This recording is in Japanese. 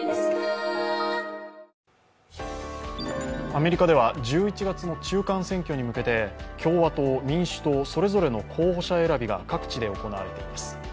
アメリカでは１１月の中間選挙に向けて共和党、民主党それぞれの候補者選びが各地で行われています。